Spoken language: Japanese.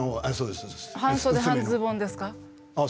半袖半ズボンですか？